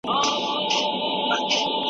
فکري ثبات انسان ته وقار ورکوي.